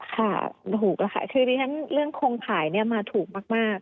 ค่ะถูกแล้วค่ะคือดิฉันเรื่องโครงขายเนี่ยมาถูกมาก